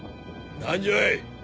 何じゃい？